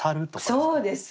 そうです。